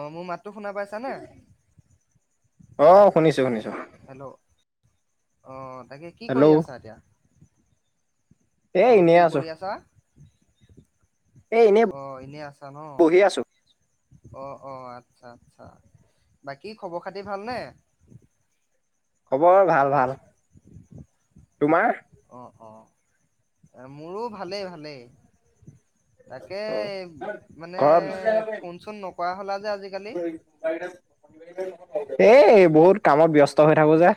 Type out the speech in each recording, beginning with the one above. অ' মোৰ মাতো শুনা পাইছা নে? অ' শুনিছো শুনিছো। হেল্ল অ তাকে কি হেল্ল' কৰি আছা এতিয়া? এ অ' এনেই কি আছো কৰি আছা? এ এনেই অ' এনেই আছা ন? বহি আছো অ' অ'আচ্ছা আচ্ছা বাকী খবৰ খাতি ভালনে? খবৰ ভাল ভাল। তোমাৰ? অ' অ'মোৰো ভালেই ভালেই। তাকে অ মানে ঘৰত ফোন চোন নকৰা হ'লা যে আজিকালি। এ' এই বহুত কামত ব্যস্ত হৈ থাকো যে।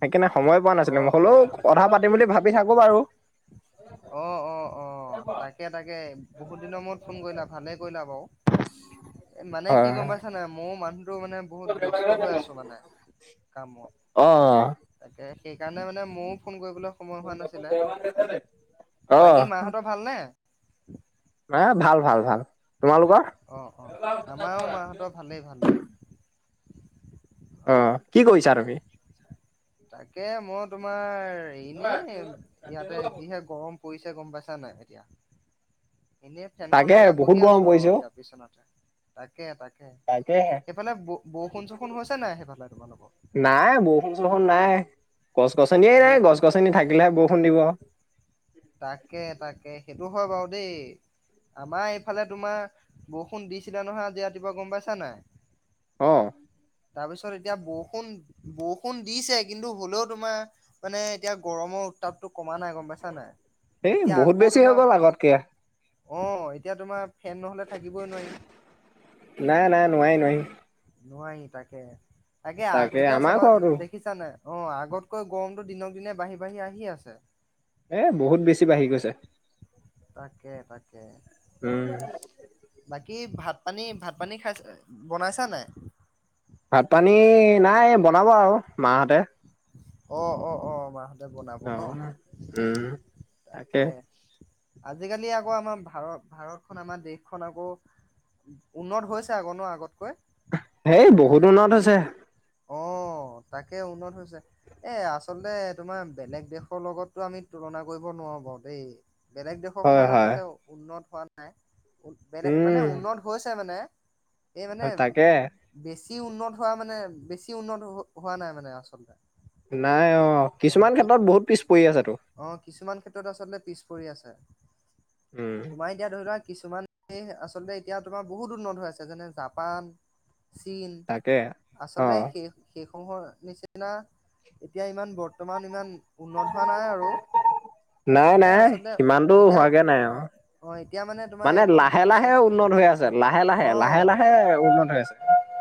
সেইকাৰণে সময় পোৱা অ নাছিলো মোক অ হলেও কথা পাতিম বুলি ভাবি থাকোঁ বাৰু। অ' অ' অ' তাকে তাকে বহুতদিনৰ মূৰত ফোন কৰিলা ভালেই কৰিলা বাৰু। এ' মানে হয় কি গম পাইছ নে মও মানুহ, টো মানে বহুত ব্যস্ত হৈ আছো মানে কামত। অ' অ'। তাকে সেইকাৰণে মানে ময়ো ফোন কৰিবলে, সময় হোৱা নাছিলে। অ বাকী মা হঁতৰ ভালনে? এ' ভাল ভাল ভাল তোমালোকৰ? অ'অ' আমাৰো মা হঁতৰ ভালেই ভালেই। অ' কি কৰিছা তুমি? তাকে মই তোমাৰ এনেই ইয়াতে যিহে গৰম। পৰিছে গম পাইছা নাই এতিয়া। এনে ফেনখন তাকে লগাই বহুত বহি গৰম আছোঁ আৰু পৰিছে অ এতিয়া বিচনাতে। তাকে তাকে সেইফালে ব বৰষুণ চৰষুণ হৈছে নাই সেইফালে তোমালোকৰ। নাই বৰষুণ চুষুন নাই। গছ গছনিয়ে নাই বৰষুণ গছ গছনি থাকিলেহে বৰষুণ দিব। তাকে তাকে সেইটো হয় বাৰু দেই। আমাৰ এইফালে তোমাৰ বৰষুণ দিছিলে নহয় আজি ৰাতিপুৱা গম পাইছা নাই, অ' তাৰপিছত এতিয়া বৰষুণ বৰষুণ দিছে কিন্তু হলেও তোমাৰ, মানে এতিয়া গৰমৰ উত্তাপটো কমা নাই গম পাইছা নাই? এই এতিয়া বহুত আকৌ বেছি হৈ তোমাৰ গ'ল আগতকে অ এতিয়া তোমাৰ ফেন নহলে থাকিবই নোৱাৰি। নাই নাই নোৱাৰি নোৱাৰি। নোৱাৰি তাকে তাকে এতিয়া আমাৰ চাবা দেখ, ঘৰতো দেখিছা নাই অ আগতকৈ গৰমতটো দিনক দিনে বাঢ়ি বাঢ়ি আহি আছে। এই বহুত বেছি বাঢ়ি গৈছে। তাকে তাকে। উম বাকী ভাত পানী ভাত পানী খাইছ বনাইছা নাই? ভাত পানী নাই বনাব আৰু মাহঁতে। অ অ অ মাহঁতে বনাব অ ন উম তাকে। আজিকালি আকৌ আমাৰ ভাৰ ভাৰতখন আমাৰ দেশখন আকৌ, উন্নত হৈছে আক ন আগতকৈ। হেই বহুত উন্নত হৈছে। অ তাকে উন্নত হৈছে। এ আচলতে তোমাৰ বেলেগ দেশৰ লগতো আমি তুলনা কৰিব নোৱাৰো বাৰু দেই। বেলেগ দেশৰ হয় সমান হয় আচলতে উন্নত হোৱা নাই বেলেগ মানে উম উন্নত, হৈছে মানে এই মানে তাকে বেছি উন্নত হোৱা মানে বে বেছি উন্নত হোৱা নাই মানে আচলতে। নাই অ অ কিছুমান কি ক্ষেত্ৰত বহুত পিছ পৰি আছেটো। অ' কিছুমান ক্ষেত্ৰত আচলতে পিছ পৰি আছে। উম। তোমাৰ এতিয়া ধৰি লোৱা কিছুমানে আচলতে এতিয়া তোমাৰ বহুত উন্নত হৈ আছে যেনে জাপান। চীন তাকে অ আচলতে সেই সেই সমূহৰ নিচিনা এতিয়া ইমান বৰ্তমান ইমান উন্নত হোৱা নাই আৰু। নাই মানে নাই, আচলতে সিমানটো এতিয়া হোৱাগে নাই আৰু। অ এতিয়া তোমাৰ মানে এইখন কি হৈছে লাহে-লাহে উন্নত হৈ আছে, লাহে-লাহে অ লাহে-লাহে উন্নত হৈ আছে।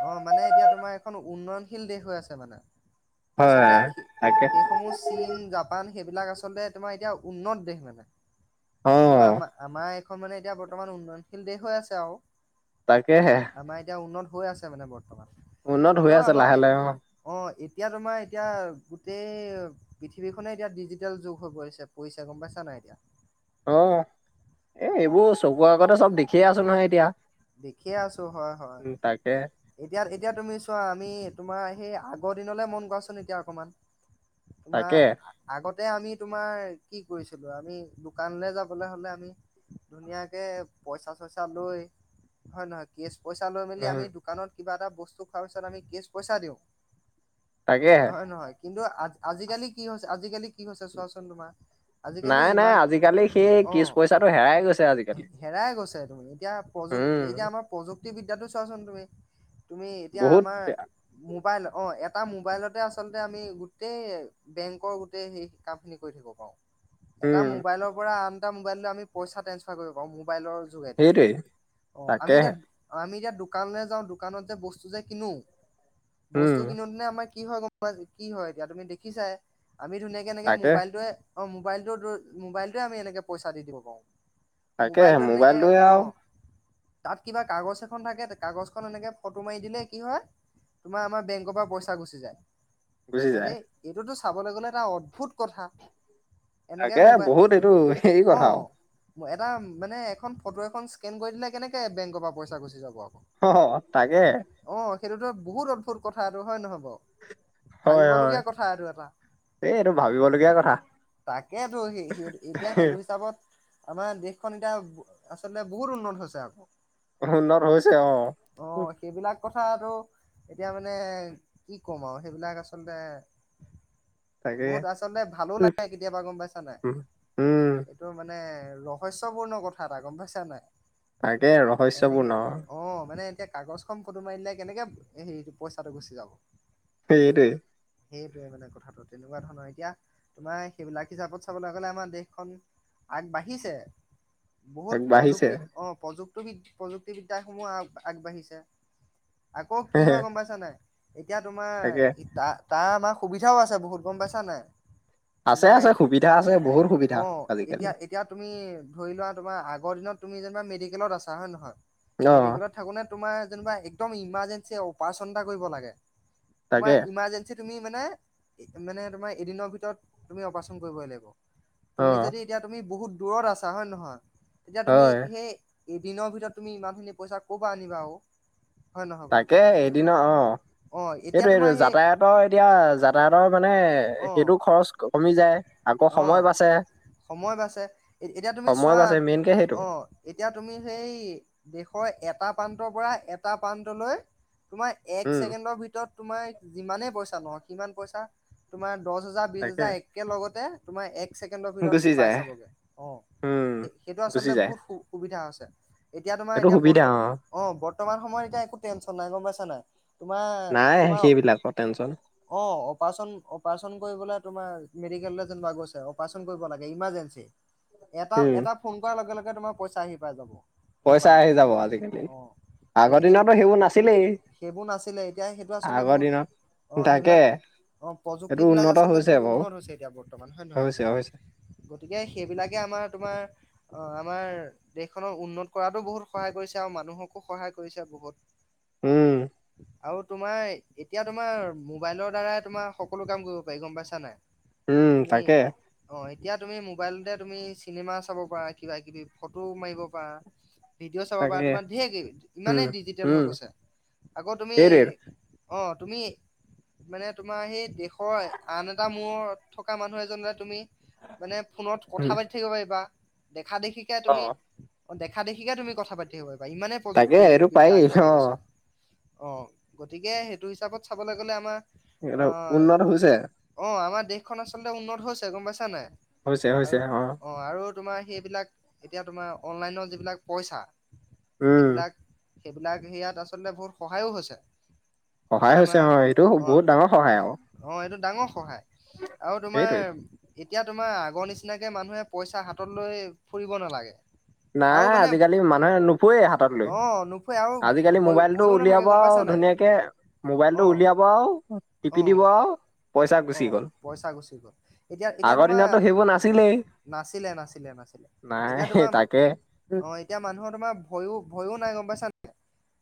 অ' মানে এতিয়া তোমাৰ এখন উন্নয়নশীল দেশ হৈ আছে মানে। হয় আচলতেই তাকে সে সমূহ চীন, জাপান সেইবিলাক আচলতে তোমাৰ এতিয়া উন্নত দেশ মানে। অ কিন্তু আমা-আমাৰ এইখন মানে এতিয়া বৰ্তমান উন্নয়নশীল দেশ হৈ আছে আও। তাকেহে! আমাৰ এতিয়া উন্নত হৈ আছে মানে বৰ্তমান। উন্নত হৈ হ'লও আছে আমাৰ লাহে এই লাহে অ অ' এতিয়া তোমাৰ এতিয়া গোটেই পৃথিৱীখনে এতিয়া ডিজিটেল যুগ হৈ পৰিছে পৰিছে। গম পাইছা নাই এতিয়া? অ' এ অ', এইবোৰ চকুৰ আগতে চব দেখিয়ে আছোঁ নহয় এতিয়া। দেখিয়ে আছোঁ হয়, হয়। উম তাকে এতিয়া এতিয়া তুমি চোৱা, আমি তোমাৰ সেই আগৰ দিনলে মন কৰাচোন এতিয়া অকমান। তোমাৰ তাকে আগতে আমি তোমাৰ কি কৰিছিলো? আমি দোকানলে যাবলে হ'লে আমি ধুনীয়াকে পইচা-চইচা লৈ, হয় নহয়? কেচ পইচা লৈ মেলি উম আমি দোকা দোকানত কিবা এটা বস্তু খোৱাৰ পিছত আমি কেচ পইচা দিওঁ। তাকেহে হয় নহয়? কিন্তু আজ-আজিকালি কি হৈছে আজিকালি কি হৈছে চোৱাচোন তোমাৰ। আজিকালি নাই নাই ইমান আজিকালি সেই কিচ অ' পইচাটো হেৰাই গৈছে আজিকালি হেৰাই গৈছে তুমি এতিয়া উম এতিয়া আমাৰ প্ৰযুক্তিবিদ্যাটো চোৱাচোন তুমি। তুমি এতিয়া বহুত আমাৰ বেয়া। মোবাইল, অ' এটা মোবাইলতে আচলতে আমি গোটেই বেংকৰ গোটেই সেই কামখিনি কৰি থাকিব পাৰো। এটা উম মোবাইলৰ পৰা আন এটা মোবাইললৈ আমি পইচা ট্ৰেন্সফাৰ কৰিব পাৰোঁ, মোবাইলৰ যোগে। [unintelligible] অঁ আমি তাকেহে এতিয়া, আমি এতিয়া দোকানলে যাওঁ দোকানত যে বস্তু যে কিনো। উম বস্তু কিনোতেনে আমাৰ কি হয় গম পাইছা না, কি হয় এতিয়া তুমি দেখিছাই আমি ধুনীয়াক কে এনেকে তাকে মোবাইলটোৱে [unintelligible] আমি এনেকে পইচা দি দিব পাৰোঁ। তাকে মোবাইলটোত এনেকে মোবাইলটোৱে আৰু অ'। তাত কিবা কাগজ এখন থাকে, কাগজখন এনেকে ফটো মাৰি দিলে কি হয় তোমাৰ আমাৰ বেংকৰ পৰা পইচা গুচি যায়। গুচি আৰে! যায় এইটোতো চাবলে গ'লে এটা অদ্ভুত কথা। এনেকে তাকে মোবাইল, বহুত এইটো হেৰি অ'! কথা আৰু। এটা মানে এখন ফটো এখন স্কেন কৰি দিলে কেনেকে বেংকৰ পৰা পইচা গুচি যাব আক'। অ' তাকে। অ' সেইটোতো বহুত অদ্ভুত কথা এইটো, হয়নে নহয় বাও? হয় হয় ভাবিবলগীয়া কথা এইটো এটা। এই এইটো ভাবিবলগীয়া কথা তাকেইতো! এতিয়া সেইটো হিচাপত আমাৰ দেশখন এতিয়া আচলতে বহুত উন্নত হৈছে আক'। উন্নত হৈছে অ'। অ' সেইবিলাক কথা টো এতিয়া মানে কি ক'ম আৰু সেইবিলাক আচলতে [inaudible] বহুত আচলতে ভালো লাগে কেতিয়াবা গম পাইছা নাই। উম টো মানে ৰহস্যপূৰ্ণ কথা এটা গম পাইছা নাই। তাকে আৰু। এনেকে অ' মানে এতিয়া কাগজখন ফটো মাৰি দিলে কেনেকে হেৰিটো পইচাটো গুচি যাব। সেইটোৱে। সেইটোৱে মানে কথাটো তেনেকুৱা ধৰণৰ, এতিয়া তোমাৰ সেইবিলাক হিচাপত চাবলৈ গ'লে আমাৰ দেশখন আগবাঢ়িছে। বহুত আগবাঢ়িছে প্ৰযুক্তি অ' প্ৰযুক্তিবি-প্ৰযুক্তিবিদ্যাসমূহ আগ-আগবাঢ়িছে। আকৌ কি হয় গম পাইছা নাই এতিয়া তাকে তোমাৰ ইতা তাৰ আমাৰ সুবিধাও আছে বহুত গম পাইছা নাই। আছে আছে তোমাৰ সুবিধা আছে, বহুত সুবিধা অ', আজিকালি। এতিয়া এতিয়া তুমি ধৰি লোৱা তোমাৰ আগৰ দিনত তুমি যেনিবা মেডিকেলত আছা হয়নে নহয়, অ মেডিকেলত থাকোঁতে তোমাৰ যেনিবা একদম ইমাৰ্জেঞ্চি অপাৰেশ্যন এটা কৰিব লাগে, তোমাৰ তাকে ইমাৰজেন চি তুমি মানে, মানে তোমাৰ এদিনৰ ভিতৰত তুমি অপাৰেশ্যন কৰিবই লাগিব। অ তুমি যদি এতিয়া তুমি বহুত দূৰত আছা হয়নে নহয়, তেতিয়া তুমি হয় এ, এদিনৰ ভিতৰত তুমি ইমানখিনি পইচা ক'ৰ পৰা আনিবা অ'। তাকে এদিনৰ, অ'। অ', এতিয়া তোমাৰ সেইটোৱেইটো সেই যাতায়তৰ এতিয়া যাতায়তৰ মানে অ', সেইটো খৰচ কমি যায় আকৌ অ', সময় বাচে। সময় বাচে, এতিয়া তুমি সময় চোৱা, বাচে মেইনকে সেইটো অ'। এতিয়া তুমি সেই দেশৰ এটা প্ৰান্তৰ পৰা এটা প্ৰান্তলৈ তোমাৰ এক উম ছেকেণ্ডৰ ভিতৰত তোমাৰ যিমানে পইচা নহওক সিমান পইচা তোমাৰ দহ হাজাৰ বিশ তাকে হেজাৰ একে লগতে তোমাৰ এক ছেকেণ্ডৰ ভিতৰত গুচি পাই যায় যাবগে অ', উম সেইটো গুচি আচলতে যায় বহুত সু সুবিধা হৈছে। এতিয়া তোমাৰ সেইটো এতিয়া সুবিধা বৰ্ত অ' বৰ্তমান সময়ত এতিয়া একো টেনচন নাই গম পাইছা নাই, তোমা, নাই তোমাৰ সেইবিলাকৰ টেনচন অ' অপাৰেচন অপাৰেচন কৰিবলৈ তোমাৰ মেডিকেললৈ যেনিবা গৈছে অপাৰেশ্যন কৰিব লাগে ইমাৰজেঞ্চি, এটা উম এটা ফোন কৰা লগে লগে তোমাৰ পইচা আহি পাই যাব। পইচা আহি যাব আজিকালি। আগৰ সেইটো, সেইবুলি, দিনতো সেইবোৰ নাছিলেই সেইবোৰ নাছিলে, এতিয়া সেইটো আচলতে আগৰ বহুত দিনত অ' তাকে সেইবিলাক। অ' এইটো প্ৰযুক্তিবিলাক উন্নত আচলতে হৈছে বহুত বাৰু উন্নত হৈছে এতিয়া, বৰ্তমান হয় হৈছে হৈছে নহয়? গতিকে সেইবিলাকে আমাৰ তোমাৰ, অ' আমাৰ দেশখনক উন্নত কৰাতো বহুত সহায় কৰিছে আৰু মানুহকো সহায় কৰিছে বহুত। উম [inaudible] আৰু তোমাৰ, এতিয়া তোমাৰ মোবাইলৰ দ্বাৰাই তোমাৰ সকলো কাম কৰিব পাৰি গম পাইছা নাই? উম, তুমি তাকে এ অ' এতিয়া তুমি মোবাইলতে তুমি চিনেমা চাব পাৰা, কিবা কিবি ফটো মাৰিব পাৰা। ভিডিঅ' চাব পাৰা, তাকে তোমাৰ ধেই গে, উম, ইমানেই ডিজিটেল হৈ উম, গৈছে আকৌ তুমি এইটোৱে অ' তুমি মানে তোমাৰ সেই দেশৰ আন এটা মূৰত থকা মানুহ এজনলৈ তুমি মানে ফোনত কথা উম, পাতি থাকিব পাৰিবা, দেখা দেখি কে তুমি অ', অ' দেখা দেখিকে তুমি কথা পাতিব পাৰিবা, ইমানে তাকে এইটো পাৰি প্ৰযুক্তিবিদ্যা আগবাঢ়ি অ', গৈছে। অ', গতিকে হেইটো হিচাপত চাবলে গ'লে আমাৰ এইটো উন্নত হৈছে অহ আমাৰ দেশখন আচলতে উন্নত হৈছে গম পাইছা নাই? হৈছে হৈছে আৰু অঁ। অ আৰু তোমাৰ সেইবিলাক, এতিয়া তোমাৰ অনলাইনৰ যিবিলাক পইচা উম, সেইবিলাক, সেইবিলাক হেইয়াত আচলতে বহুত সহায়ো হৈছে। সহায় এতিয়া হৈছে আমাৰ অ এইটো অ বহুত ডাঙৰ সহায় আৰু। অ এইটো ডাঙৰ সহায়। আৰু তোমাৰ, সেইটোৱে এতিয়া তোমাৰ আগৰ নিচিনাকৈ মানুহে পইচা হাতত লৈ ফুৰিব নালাগে। আৰু নাই মানে আজিকালি মানুহে নোফোৱেই হাতত লৈ। অ নুফুৰে আৰু আজিকালি ভয় মোবাইল তো ভয়ো নাথাকে উলিয়াব গম আৰু পাইছা নাই ধুনীয়াকে, মোবাইলটো অ উলিয়াব আৰু অ টিপি দিব আৰু পইচা অ গুচি গ'ল। পইচা গুচি গ'ল। এতিয়া, এতিয়া আগৰ তোমাৰ দিনততো সেইবোৰ নাছিলেই নাছিলে, নাছিলে, নাছিলে। নাই এতিয়া তোমাৰ তাকে অ এতিয়া মানুহৰ তোমাৰ ভয়ো ভয়ো নাই গম পাইছা নাই?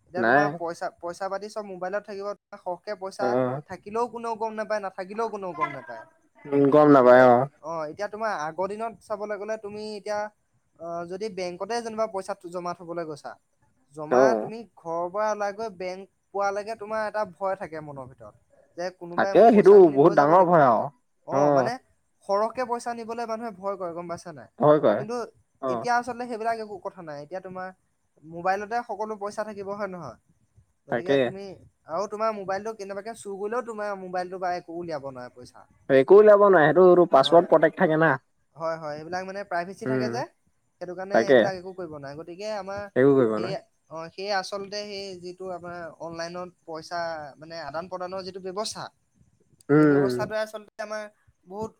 এতিয়া নাই তোমাৰ পইচা পইচা পাতি চব মোবাইলত থাকিব। সৰহকে পইচা অ', থাকিলেও কোনেও গম নাপায়, নাথাকিলেও কোনেও গম নাপায়। গম গতিকে, নাপায় অ এতিয়া তোমাৰ আগৰ দিনত চাবলৈ গ'লে তুমি এতিয়া অ যদি বেংকতে যেনিবা পইচা জমা থ'বলৈ গৈছা জমা অ'। তুমি ঘৰৰ পৰা ওলাই গৈ বেংক পোৱালৈকে তোমাৰ এটা ভয় থাকে মনৰ ভিতৰত। যে কোনোবাই তাকে মোৰ সেইটো পইচা খিনি বহুত লৈ যাব ডাঙৰ নেকি? ভয় আৰু অ মানে সৰহকে পইচা নিবলৈ মানুহে ভয় কৰে গম পাইছা নাই? ভয় কৰে কিন্তু অ', এতিয়া আচলতে সেইবিলাক একো কথা নাই। এতিয়া তোমাৰ মোবাইলতে সকলো পইচা থাকিব হয়ে নহয়? গতিকে তাকে তুমি আৰু তোমাৰ মোবাইলটো কেনেবাকে চুৰ কৰিলেও তোমাৰ মোবাইলটো পা একো উলিয়াব নোৱাৰে পইচা। একো উলিয়াব নোৱাৰে সেইটো পাছৱৰ্ড হয়, প্ৰটেক্ট থাকে না হয়- হয়, এইবিলাক মানে প্ৰাইভেচি উম, থাকে যে। সেইটো কাৰণে তাকে এইবিলাক একো কৰিব নোৱাৰে। গতিকে আমাৰ একো কৰিব সেই নোৱাৰে অ সেই আচলতে সেই যিটো আমাৰ অনলাইনত পইচা মানে আদান প্ৰদানৰ যিটো ব্যৱস্থা [inaudible] সেই উম, ব্যৱস্থাটোৱে আচলতে আমাৰ বহুত,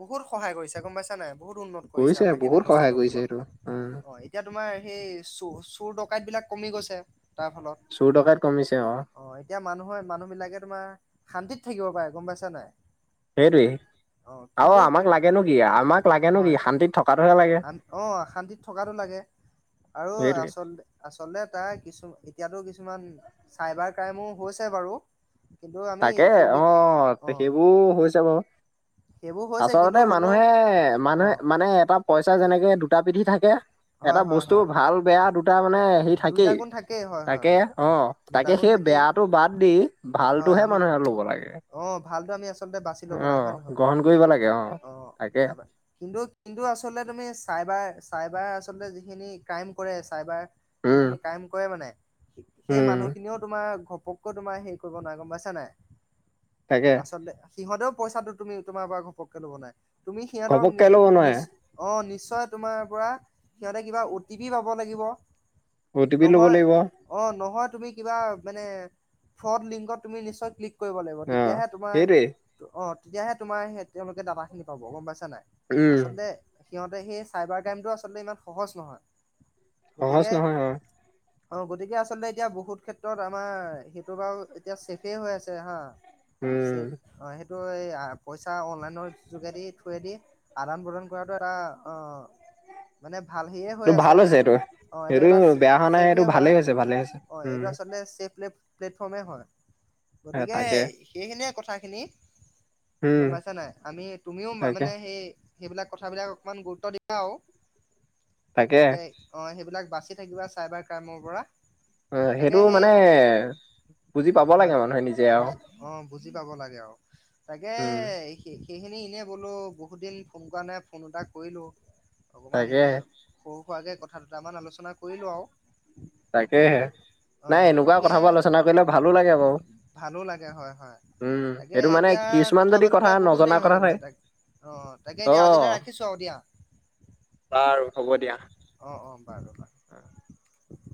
বহুত সহায় কৰিছে গম পাইছা নাই? বহুত উন্নত কৰিছে, আমাৰ সেই বহুত সহায় ব্যৱস্থাটোৰ কৰিছে ফলত। এইটো উম। অ' এতিয়া তোমাৰ হেই চু-চুৰ ডকাইতবিলাক কমি গৈছে তাৰ ফলত। চুৰ ডকাইত কমিছে অঁ। অ এতিয়া মানুহৰ মানুহ বিলাকে তোমাৰ শান্তিত থাকিব পাৰে গম পাইছা নাই? সেইটোৱে। অ আৰু কিন্তু কি আমাক লাগে নো কি? আমাক লাগে নো কি? হয় শান্তিত থকাটোহে লাগে। থকাতো লাগে। আৰু সেইটোৱে আচলতে আচলতে তাৰ কিছু এতিয়াতো কিছুমান চাইবাৰ ক্ৰাইমো হৈছে বাৰু। কিন্তু আমি তাকে সেই অ বিষ অ সেইবোৰ হৈছে বাৰু। সেইবোৰ হৈছে কিন্তু আচলতে হ'লেও মানুহে অ মানুহে মানে এটা পইচা যেনেকে দুটা পিঠি থাকে, এটা হয় হয় বস্তু হয় ভাল বেয়া দু টা মানে হে দুইটা থাকেই, গুণ থাকেই হয় হয় তাকে হয় অ। দুটা তাকে গুণ সেই থাকেই বেয়াটো বাদ দি ভাল হয় আমি অ ভালটো আমি আচলতে বাছি ল'ব অ লাগে হয় নহয় বাৰু? গ্ৰহণ কৰিব লাগে অ তাকে তাৰপৰা কিন্তু কিন্তু আচলতে তুমি চাইবাৰ চাইবাৰ আচলতে যিখিনি ক্ৰাইম কৰে চাইবাৰ উম ক্ৰাইম কৰে মানে সেই উম মানুহখিনিও তোমাৰ ঘপককৈ হেৰি কৰিব নোৱা গম পাইছা নাই? তাকে আচলতে সিহঁতেও পইচাটো তুমি তোমাৰ পৰা ঘপককে ল'ব নাই, তুমি সিহঁতক নি ঘপককে ল'ব নোৱাৰে নিচ অ নিশ্চয় তোমাৰ পৰা সিহঁতে কিবা অ' টি পি পাব লাগিব অ' টি পি ল'ব নহয় লাগিব অ নহয় তুমি কিবা মানে ফ্ৰড লিংকত তুমি নিশ্চয় ক্লিক কৰিব লাগিব, তেতিয়াহে তোমাৰ, সেইটোৱেই অ', তেতিয়াহে তোমাৰ সেই তেওঁলোকে ডাটা খিনি পাব, গম পাইছা নাই? উম আচলতে, সিহঁতে সেই চাইবাৰ ক্ৰাইমটো আচলতে ইমান সহজ নহয়। সহজ গতিকে নহয়, হয়। অ', গতিকে, আচলতে, এতিয়া বহুত ক্ষেত্ৰত আমাৰ সেইটো বাৰু এতিয়া চছেফে হৈ আছে, হা। উম। অ', সেইটো এই পইচা অনলাইনৰ যোগেদি থোৱেদি। আদান প্ৰদান কৰাটো এটা, অ'। মানে ভাল হে এইটো হৈ ভাল আছে, হৈছে এইটো অ', এইটো সেইটো এইবাৰ বেয়া হোৱা নাই, সেইটো ভালে হৈছে, ভালে হৈছে, উম। [unintelligible] প্লেটফৰ্মে হয়, এ গতিকে তাকে সেইখিনিয়ে কথাখিনি। উম গম পাইছা নাই, আমি, তুমিও তাকে মানে সেই সেইবিলাক, কথাবিলাক অকণমান গুৰুত্ব দিবা আও, তাকে অ', সেইবিলাক বাচি থাকিবা চাইবাৰ ক্ৰাইমৰ পৰা। অ', তাকে হেইটো সেই মানে বুজি পাব লাগে হয়, মানুহে নিজে আৰু বুজি, অ', বুজি পাব লাগে আৰু, তাকে উম সেইখিনি এনেই বোলোঁ, বহুত দিন ফোন কৰা নাই, ফোন এটা কৰিলোঁ, অকণমান তাকে এনেই সৰু, সুৰাকে কথা দুটামান আলোচনা কৰিলোঁ আৰু। তাকেহে, অ নাই এনেকুৱা গতিকে কথাবোৰ আলোচনা কৰিলে, ভালো লাগে বাৰু। ভালো লাগে, হয়, হয়, উম, তাকে সেইটো মানে এতিয়া কিছুমান কথা যদি পাতোতে বহুত নজনা দেৰি হৈ কথা থাকে, গ'লগে। অ', তাকে, এতিয়া আজিলে অ', ৰাখিছোঁ আৰু দিয়া। বাৰু হ'ব দিয়া। অ', অ', বাৰু।